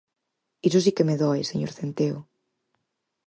Iso si que me doe, señor Centeo.